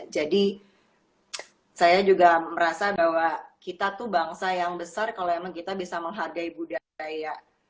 jadi saya juga merasa bahwa kita tuh bangsa yang besar kalau memang kita bisa menghargai budaya